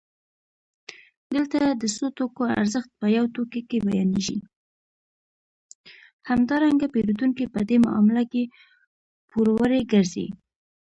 همدارنګه پېرودونکی په دې معامله کې پوروړی ګرځي